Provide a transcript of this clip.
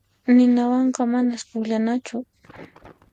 Ninawanqa manas pukllanachu.